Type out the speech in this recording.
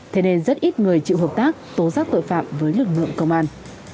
thế nên rất ít người chịu hợp tác tố giác tội phạm với lực lượng công an